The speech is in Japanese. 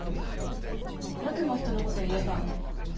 よくも人の事言えたわね。